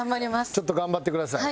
ちょっと頑張ってください。